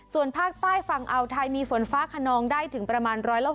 ส่วนภาคใต้ฝั่งอาวไทยมีฝนฟ้าขนองได้ถึงประมาณ๑๖๐